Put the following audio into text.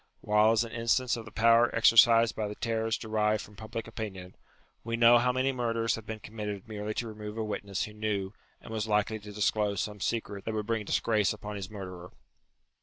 While as an instance of the power exercised by the terrors derived from public opinion, we know how many murders have been committed merely to remove a witness who knew and was likely to disclose some secret that would bring disgrace upon his murderer.